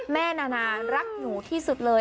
นานารักหนูที่สุดเลย